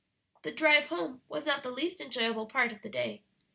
The drive home was not the least enjoyable part of the day.